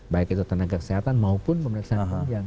baik itu tenaga kesehatan maupun pemeriksaan kesehatan